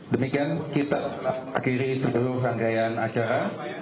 demikian kita akhiri sebelum rangkaian acara